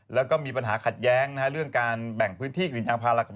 แล้วก็มีปัญญาห์ขัดแย้งอยู่ก่อนด้านการแบ่งพื้นที่กริจางพลาลักษณ์กับ